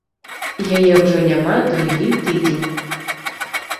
Яе ўжо няма другі тыдзень.